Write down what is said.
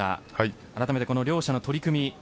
あらためて、両者の取組